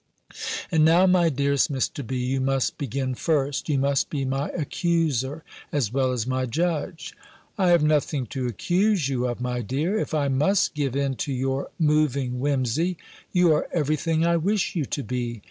"And now, my dearest Mr. B., you must begin first; you must be my accuser, as well as my judge." "I have nothing to accuse you of, my dear, if I must give in to your moving whimsy. You are everything I wish you to be.